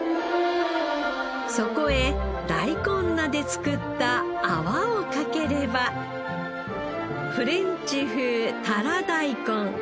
そこへ大根菜で作った泡をかければフレンチ風タラ大根。